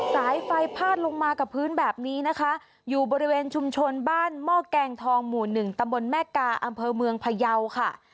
สายไฟพาดลงมากับพื้นแบบนี้นะคะอยู่บริเวณชุมชนบ้านหม้อแกงทองหมู่หนึ่งตำบลแม่กาอำเภอเมืองพยาวค่ะ